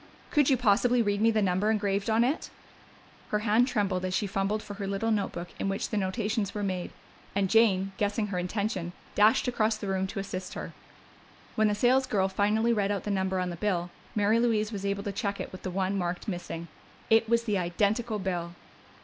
"Could you possibly read me the number engraved on it?" Her hand trembled as she fumbled for her little notebook in which the notations were made, and Jane, guessing her intention, dashed across the room to assist her. When the salesgirl finally read out the number on the bill, Mary Louise was able to check it with the one marked "missing." It was the identical bill!